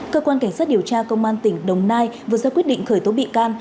cơ quan cảnh sát điều tra công an tỉnh đồng nai vừa ra quyết định khởi tố bị can